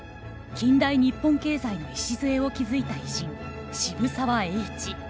近代日本経済の礎を築いた偉人渋沢栄一。